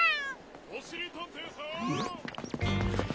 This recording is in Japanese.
おしりたんていさん！